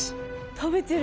食べてる！